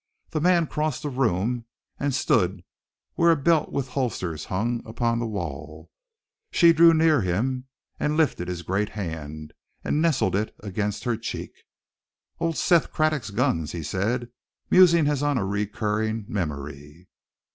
The man crossed the room, and stood where a belt with holsters hung upon the wall. She drew near him, and lifted his great hand, and nestled it against her cheek. "Old Seth Craddock's guns," he said, musing as on a recurring memory.